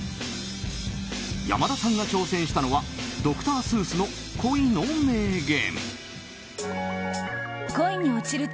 山田さんが挑戦したのはドクター・スースの恋の明言。